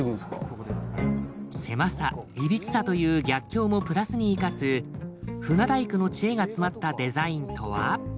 狭さ歪さという逆境もプラスに生かす船大工の知恵が詰まったデザインとは？